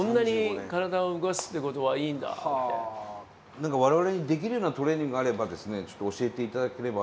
何か我々にできるようなトレーニングがあればですねちょっと教えて頂ければ。